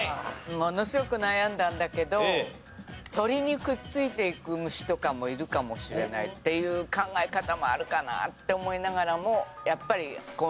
ものすごく悩んだんだけど鳥にくっついていく虫とかもいるかもしれないっていう考え方もあるかなって思いながらもやっぱり。